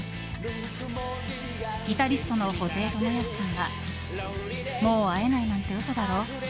ギタリストの布袋寅泰さんはもう会えないなんて嘘だろ？